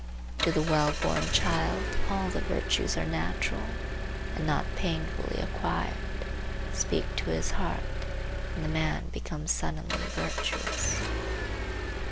To the well born child all the virtues are natural, and not painfully acquired. Speak to his heart, and the man becomes suddenly virtuous.